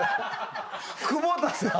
久保田さん